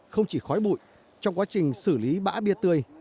không chỉ khói bụi trong quá trình xử lý bã bia tươi